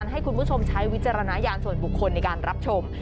ให้คุณผู้ชมใช้วิจารณญาณส่วนบุคคลในการรับชม